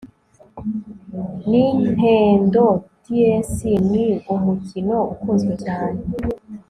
nintendo ds ni umukino ukunzwe cyane